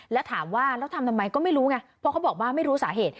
แล้วถามว่าแล้วทำทำไมก็ไม่รู้ไงเพราะเขาบอกว่าไม่รู้สาเหตุ